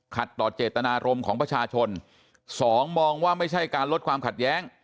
ต่อเจตนารมณ์ของประชาชนสองมองว่าไม่ใช่การลดความขัดแย้ง